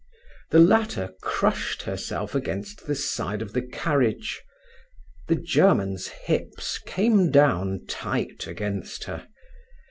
The latter crushed herself against the side of the carriage. The German's hips came down tight against her.